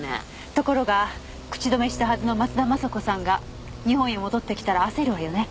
ところが口止めしたはずの松田雅子さんが日本へ戻ってきたら焦るわよね？